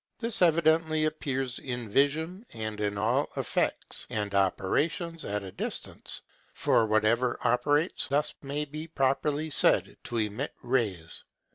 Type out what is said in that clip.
This evidently appears in vision, and in all effects and operations at a distance; for whatever operates thus, may be properly said to emit rays.